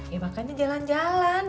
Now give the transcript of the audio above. ya makanya jalan jalan